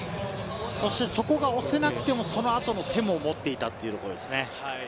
そこが押せなくても、そのあとの手も持っていたというところですね。